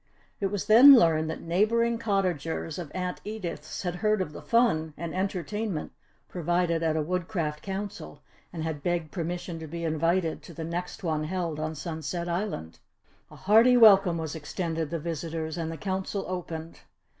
It was then learned that neighbouring cottagers of Aunt Edith's had heard of the fun and entertainment provided at a Woodcraft Council and had begged permission to be invited to the next one held on Sunset Island. A hearty welcome was extended the visitors and the Council opened.